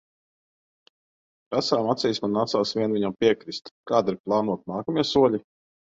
Ar asarām acīs man nācās vien viņam piekrist. Kādi ir plānoti nākamie soļi?